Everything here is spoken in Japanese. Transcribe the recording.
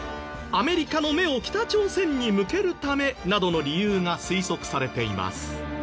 「アメリカの目を北朝鮮に向けるため」などの理由が推測されています。